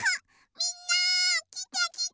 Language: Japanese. みんなきてきて！